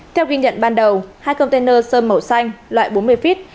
theo ghi nhận ban đầu hai container sơn màu xanh loại bốn mươi feet